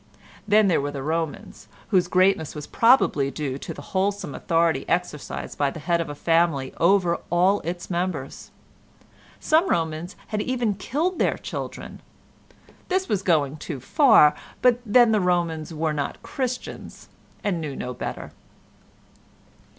Then there were the Romans—whose greatness was probably due to the wholesome authority exercised by the head of a family over all its members. Some Romans had even killed their children; this was going too far, but then the Romans were not Christians, and knew no better.